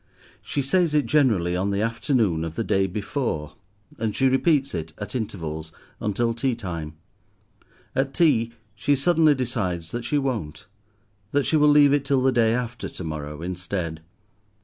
She says it, generally, on the afternoon of the day before; and she repeats it, at intervals, until tea time. At tea, she suddenly decides that she won't, that she will leave it till the day after to morrow instead.